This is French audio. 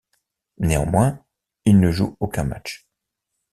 Néanmoins, il ne joue aucun match.